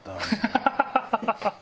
ハハハハ！